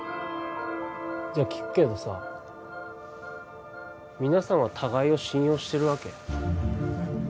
じゃあ聞くけどさ皆さんは互いを信用してるわけ？